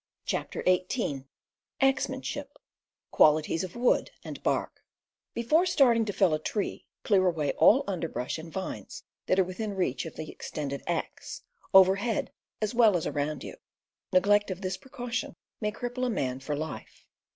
CHAPTER XVIII AXEMANSHIP— QUALITIES OF WOOD AND BARK "DEFORE starting to fell a tree, clear away all under ■^ brush and vines that are within reach of the extended axe, overhead as well as around you. Neg lect of this precaution may cripple a man for life.